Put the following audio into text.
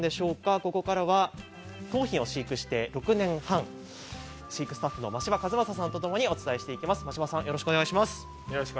ここからは桃浜を飼育して６年半飼育スタッフの真柴和昌さんとともにお伝えしていきます。